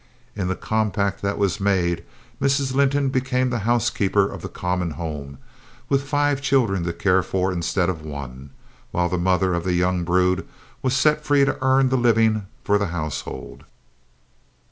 In the compact that was made Mrs. Linton became the housekeeper of the common home, with five children to care for instead of one, while the mother of the young brood was set free to earn the living for the household.